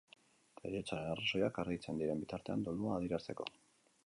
Heriotzaren arrazoiak argitzen diren bitartean, dolua adierazteko.